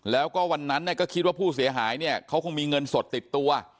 แล้วก็วันนั้นก็คิดว่าผู้เสียหายเนี่ยเขาคงมีเงินสดติดตัว